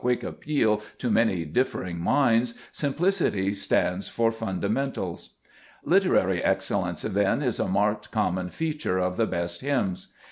quick appeal to many differing minds, simplicity stands for fundamentals. Literary excellence, then, is a marked com mon feature of the best hymns.